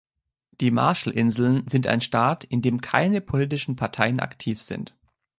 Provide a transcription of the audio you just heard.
Die Marshall-Inseln sind ein Staat, in dem keine politischen Parteien aktiv sind.